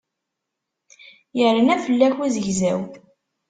Yerna fell-ak uzegzaw.